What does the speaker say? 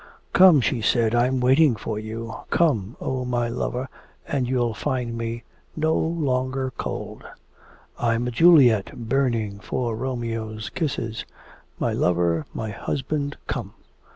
'Come,' she said. 'I'm waiting for you. Come, oh, my lover, and you'll find me no longer cold. I'm a Juliet burning for Romeo's kisses. My lover, my husband, come....